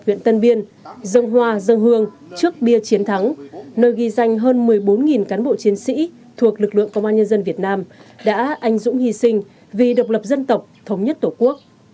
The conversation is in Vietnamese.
đoàn đến khu di tích lịch sử văn hóa ban an ninh trung ương cục miền nam xã tân lập huyện tân biên dân hoa dân hương trước bia chiến thắng nơi ghi danh hơn một mươi bốn cán bộ chiến sĩ thuộc lực lượng công an nhân dân việt nam đã anh dũng hy sinh vì độc lập dân tộc thống nhất tổ quốc